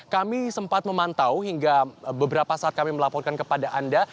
kami sempat memantau hingga beberapa saat kami melaporkan kepada anda